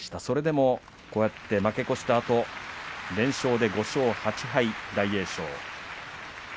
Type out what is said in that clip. それでもこうやって負け越したあと連勝で５勝８敗の大栄翔。